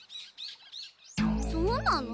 そうなの？